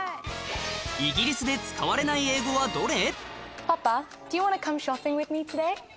イギリスで使われない英語はどれ？